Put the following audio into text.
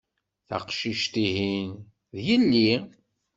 Taqcict-ihin, d yelli.